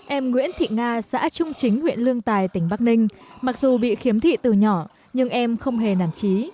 em nguyễn thị nga xã trung chính huyện lương tài tỉnh bắc ninh mặc dù bị khiếm thị từ nhỏ nhưng em không hề nản trí